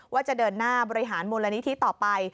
ว่าจะเดินหน้าบริหารมูลนิธิต่อไป